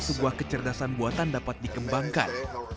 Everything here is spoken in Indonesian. sebuah kecerdasan buatan dapat dikembangkan